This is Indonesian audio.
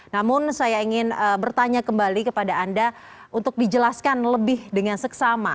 namun saya ingin bertanya kembali kepada anda untuk dijelaskan lebih dengan seksama